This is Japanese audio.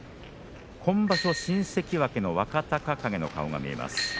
今場所、新関脇の若隆景の顔が見えます。